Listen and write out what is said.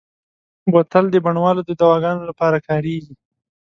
بوتل د بڼوالو د دواګانو لپاره کارېږي.